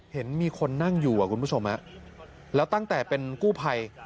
เห็นมีคนนั่งอยู่คุณผู้ชมแล้วตั้งแต่เป็นกู้ภัย